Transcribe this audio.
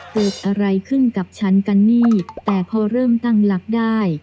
เกิดอะไรขึ้นกับฉันกันนี่แต่พอเริ่มตั้งหลักได้